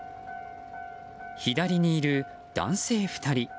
左にいる男性２人。